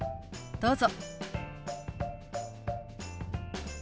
どうぞ。